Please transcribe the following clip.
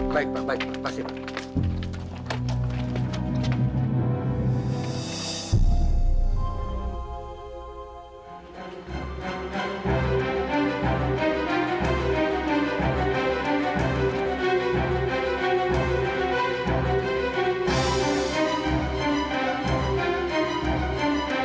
baik pak terima kasih pak